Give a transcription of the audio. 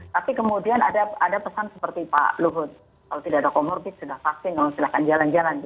tapi kemudian ada pesan seperti pak luhut kalau tidak ada comorbid sudah vaksin silahkan jalan jalan